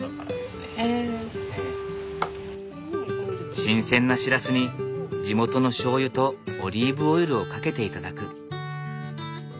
新鮮なシラスに地元のしょうゆとオリーブオイルをかけて頂く。